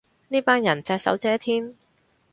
呢班人隻手遮天